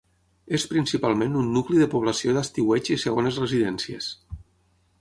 És principalment un nucli de població d'estiueig i segones residències.